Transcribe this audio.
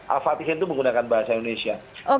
al fatihin itu menggunakan bahasa indonesia